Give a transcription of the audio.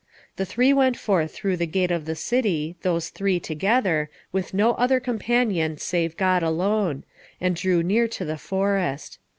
The three went forth through the gate of the city, those three together, with no other companion save God alone, and drew near to the forest.